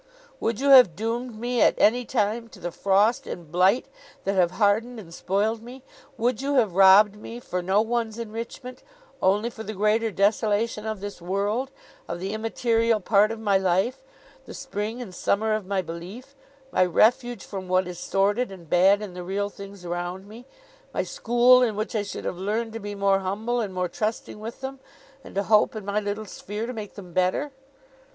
'Would you have doomed me, at any time, to the frost and blight that have hardened and spoiled me? Would you have robbed me—for no one's enrichment—only for the greater desolation of this world—of the immaterial part of my life, the spring and summer of my belief, my refuge from what is sordid and bad in the real things around me, my school in which I should have learned to be more humble and more trusting with them, and to hope in my little sphere to make them better?